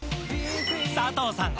佐藤さん